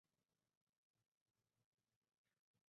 মেয়েটি বাড়ি চলে গেছে।